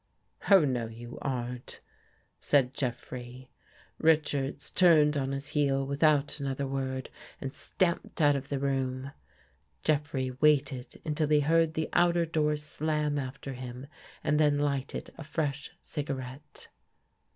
" Oh, no, you aren't," said Jeffrey. Richards turned on his heel without another word and stamped out of the room. 148 AN ESCAPE Jeffrey waited until he heard the outer door slam after him, then lighted a fresh cigarette.